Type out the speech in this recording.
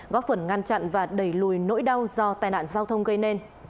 góp phần ngăn chặn và đẩy lùi nỗi đau do tai nạn giao thông gây nên